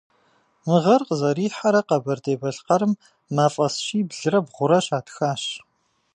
Мы гъэр къызэрихьэрэ Къэбэрдей-Балъкъэрым мафӏэс щиблрэ бгъурэ щатхащ.